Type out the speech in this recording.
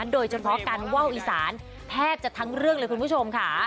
โดยเฉพาะการว่าวอีสานแทบจะทั้งเรื่องเลยคุณผู้ชมค่ะ